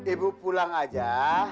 ibu pulang aja